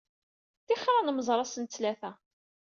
Ṭixer ad nemẓer ass n ttlata.